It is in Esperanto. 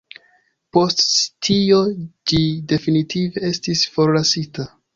Post tio ĝi definitive estis forlasita.